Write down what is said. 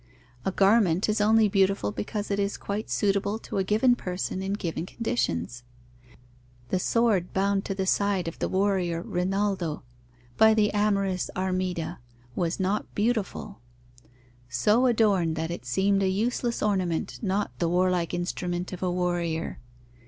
A garment is only beautiful because it is quite suitable to a given person in given conditions. The sword bound to the side of the warrior Rinaldo by the amorous Armida was not beautiful: "so adorned that it seemed a useless ornament, not the warlike instrument of a warrior."